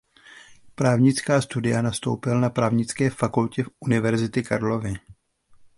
Právnická studia nastoupil na Právnické fakultě Univerzity Karlovy.